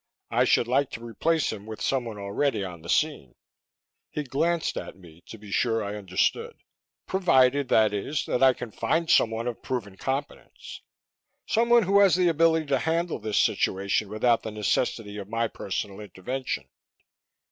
I should like to replace him with someone already on the scene " he glanced at me to be sure I understood "provided, that is, that I can find someone of proven competence. Someone who has the ability to handle this situation without the necessity of my personal intervention."